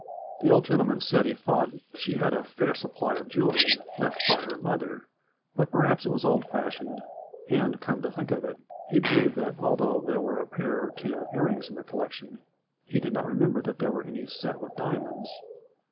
The old gentle man said he thought " she had a fair supply of jewelry, left by her mother, but perhaps it was old fashioned, and come to think of it, he be lieved that, although there were a pair or two of earrings in the collection, he did not remember that there were any set with diamonds."